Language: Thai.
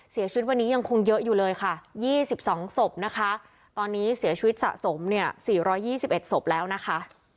เสียชีวิตวันนี้ยังคงเยอะอยู่เลยค่ะ๒๒ศพนะคะตอนนี้เสียชีวิตสะสมเนี่ย๔๒๑ศพแล้วนะคะ